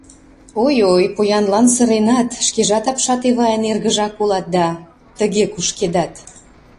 — Ой-ой, поянлан сыренат, шкежат Апшат Эвайын эргыжак улат да... тыге кушкедат.